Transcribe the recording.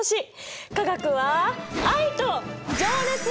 化学は愛と情熱！